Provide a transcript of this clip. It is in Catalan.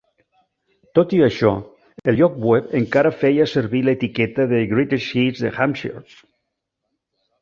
Tot i això, el lloc web encara feia servir l'etiqueta de Greatest Hits de Hampshire.